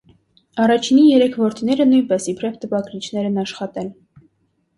Առաջինի երեք որդիները նույնպես իբրև տպագրիչներ են աշխատել։